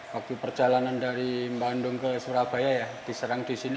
waktu perjalanan dari bandung ke surabaya diserang disini